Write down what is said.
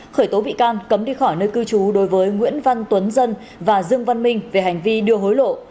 khởi tố bị can cấm đi khỏi nơi cư trú đối với nguyễn văn tuấn dân và dương văn minh về hành vi đưa hối lộ